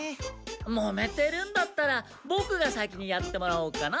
もめてるんだったらボクが先にやってもらおうかな。